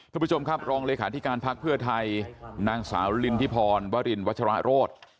คุณผู้ชมครับรองเลขาธิการพักเพื่อไทยนางสาวลินทิพรวรินวัชระโรธ